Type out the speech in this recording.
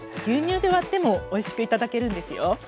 牛乳で割ってもおいしくいただけるんですよ。